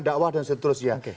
da'wah dan seterusnya